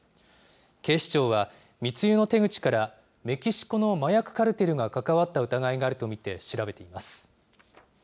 警視庁は、密輸の手口から、メキシコの麻薬カルテルが関わった疑いがあると見て調べています。